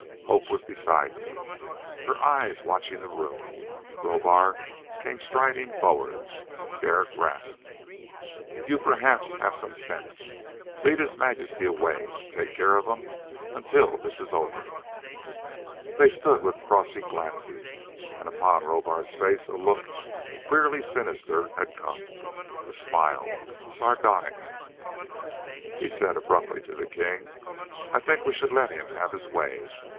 Hope was beside me, her eyes watching the room. Rohbar came striding forward. Derek rasped, "You perhaps have some sense! Lead His Majesty away. Take care of him until this is over." They stood with crossing glances. And upon Rohbar's face a look, queerly sinister, had come. A smile, sardonic. He said abruptly to the king, "I think we should let him have his way.